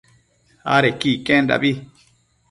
adequi iquendabi